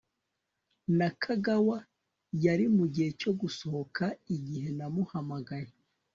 nakagawa yari mugihe cyo gusohoka igihe namuhamagaye